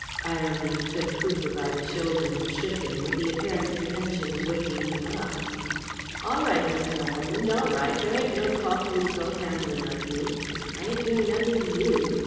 Ireland took Cooper by the shoulder and shook him, with the apparent intention of waking him up. "All right, Mr. Ireland, all right; there ain't no call for you to go handling of me; I ain't doing nothing to you.